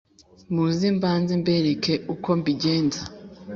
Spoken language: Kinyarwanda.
muze mbzanze mben reke uko mbigenza